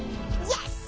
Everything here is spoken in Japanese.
よし！